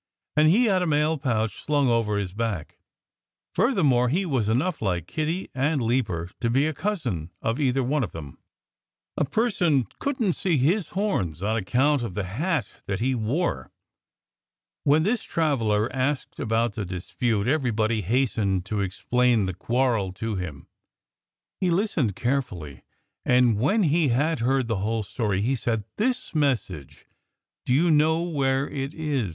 And he had a mail pouch slung over his back. Furthermore, he was enough like Kiddie and Leaper to be a cousin of either one of them. A person couldn't see his horns, on account of the hat that he wore. When this traveller asked about the dispute, everybody hastened to explain the quarrel to him. He listened carefully, and when he had heard the whole story he said: "This message do you know where it is?